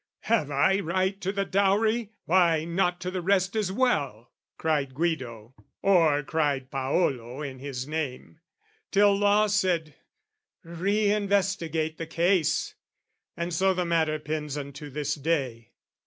"Have I right "To the dowry, why not to the rest as well?" Cried Guido, or cried Paolo in his name: Till law said "Reinvestigate the case!" And so the matter pends, unto this day.